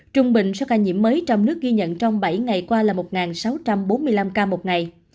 trung bình số ca nhiễm mới trong nước ghi nhận trong bảy ngày qua là một sáu trăm bốn mươi năm ca một ngày